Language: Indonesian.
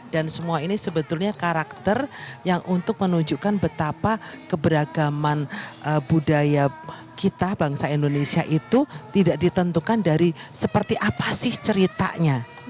dan semua ini sebetulnya karakter yang untuk menunjukkan betapa keberagaman budaya kita bangsa indonesia itu tidak ditentukan dari seperti apa sih ceritanya